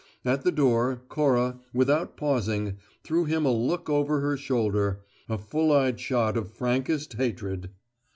At the door, Cora, without pausing, threw him a look over her shoulder: a full eyed shot of frankest hatred.